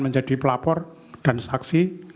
menjadi pelapor dan saksi